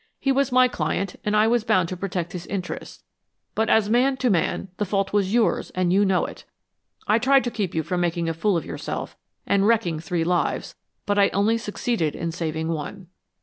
He was my client and I was bound to protect his interests, but as man to man, the fault was yours and you know it. I tried to keep you from making a fool of yourself and wrecking three lives, but I only succeeded in saving one."